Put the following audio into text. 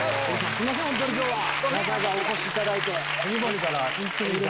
すいません今日はわざわざお越しいただいて。